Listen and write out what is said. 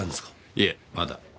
いえまだ。